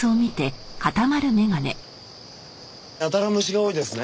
やたら虫が多いですね。